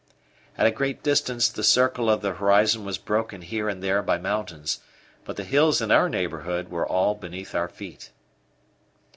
At a great distance the circle of the horizon was broken here and there by mountains, but the hills in our neighbourhood were all beneath our feet.